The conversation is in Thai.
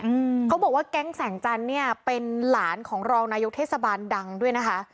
อืมเขาบอกว่าแก๊งแสงจันทร์เนี้ยเป็นหลานของรองนายกเทศบาลดังด้วยนะคะ